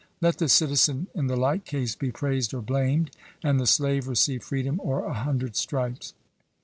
Let the citizen in the like case be praised or blamed, and the slave receive freedom or a hundred stripes.